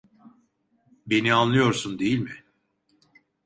Beni anlıyorsun değil mi?